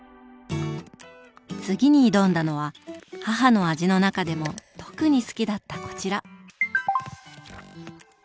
次に挑んだのは母の味の中でも特に好きだったこちら。